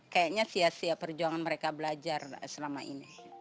kayaknya sia sia perjuangan mereka belajar selama ini